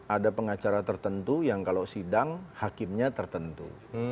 ada pengacara tertentu yang kalau sidang hakimnya tertentu